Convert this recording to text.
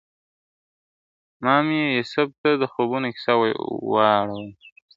ما مي یوسف ته د خوبونو کیسه وژړله ..